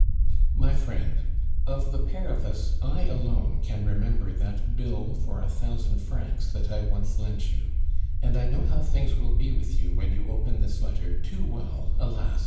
_ "MY FRIEND, Of the pair of us, I alone can remember that bill for a thousand francs that I once lent you; and I know how things will be with you when you open this letter too well, alas!